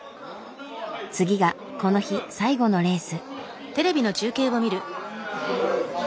次がこの日最後のレース。